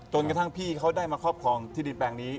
จนกระทั่งพี่เขาได้มาครอบครองที่ดินแปลงนี้